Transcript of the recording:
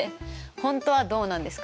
本当はどうなんですか？